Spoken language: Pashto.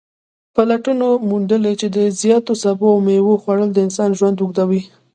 پلټنو موندلې چې د زیاتو سبو او میوو خوړل د انسانانو ژوند اوږدوي